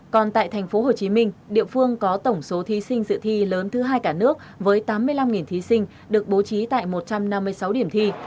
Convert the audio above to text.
còn tại thành phố hồ chí minh địa phương có tổng số thí sinh dự thi lớn thứ hai cả nước với tám mươi năm thí sinh được bố trí tại một trăm năm mươi sáu điểm thi